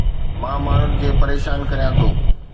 مان ماڻهن کي پريشان ڪريان ٿو